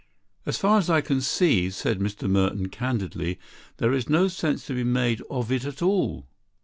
"As far as I can see," said Mr. Merton candidly, "there is no sense to be made of it at all.